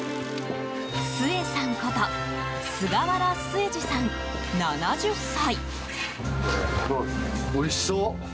スエさんこと菅原末治さん、７０歳。